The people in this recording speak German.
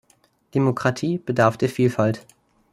Demokratie bedarf der Vielfalt.